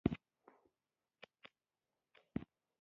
دا د قم چړیان به پوه شی، چی افغان د کار په ننگ کی